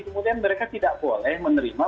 kemudian mereka tidak boleh menerima